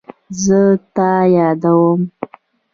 زه تا یادوم